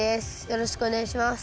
よろしくお願いします